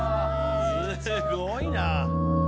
すごいなあ。